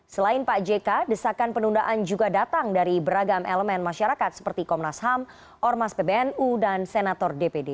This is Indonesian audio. selain pak jk desakan penundaan juga datang dari beragam elemen masyarakat seperti komnas ham ormas pbnu dan senator dpd